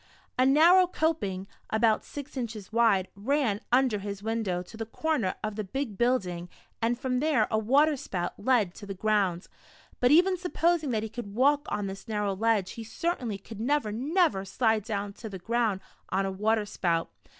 109 A narrow coping, about six inches wide, ran under his window, to the corner of the bie build o ing, and from there a water spout led to the ground ; but even supposing that he could walk on this narrow ledge, he certainly could never, never slide down to the ground on a water spout.